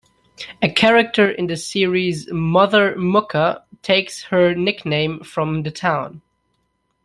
A character in the series, Mother Mucca, takes her nickname from the town.